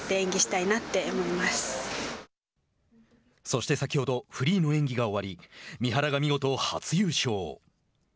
そして先ほどフリーの演技が終わり三原が見事初優勝。